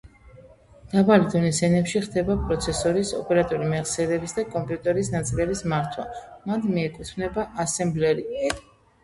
დაბალი დონის ენებში ხდება პროცესორის, ოპერატიული მეხსიერების და კომპიუტერის ნაწილების მართვა, მათ მიეკუთვნება ასემბლერი.